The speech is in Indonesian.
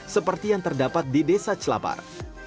seperti yang terdapat di desa celapar